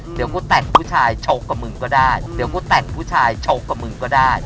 เดี๋ยวกูแต่งผู้ชายโชคกับมึงก็ได้